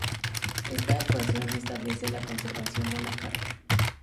Esta ecuación establece la conservación de la carga.